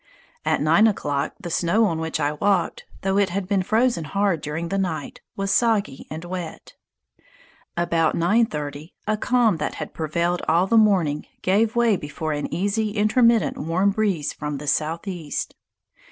At nine o'clock the snow on which I walked, though it had been frozen hard during the night, was soggy and wet. About 9.30 a calm that had prevailed all the morning gave way before an easy intermittent warm breeze from the southeast.